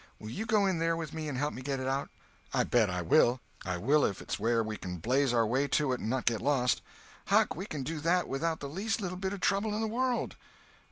Will you go in there with me and help get it out?" "I bet I will! I will if it's where we can blaze our way to it and not get lost." "Huck, we can do that without the least little bit of trouble in the world."